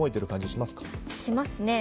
しますね。